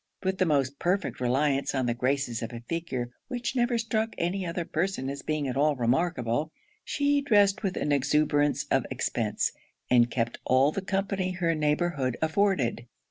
With the most perfect reliance on the graces of a figure which never struck any other person as being at all remarkable, she dressed with an exuberance of expence; and kept all the company her neighbourhood afforded.